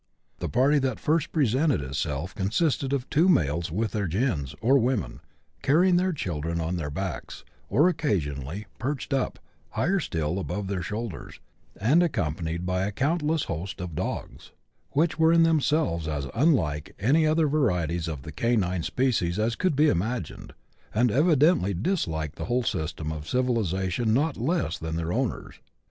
The party that first presented itself consisted of two males with their "gins," or women, carrying their children on their backs, or occasionally perched up, higher still, above their shoulders, and accompanied by a countless host of dogs, which were in themselves as unlike any other varieties of the canine species as could be imagined, and evidently disliked the whole system of civilization not less than their owners.